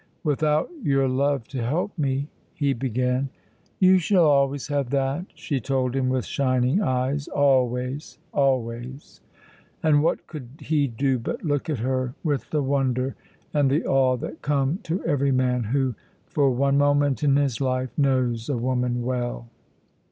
"Without your love to help me " he began. "You shall always have that," she told him with shining eyes, "always, always." And what could he do but look at her with the wonder and the awe that come to every man who, for one moment in his life, knows a woman well?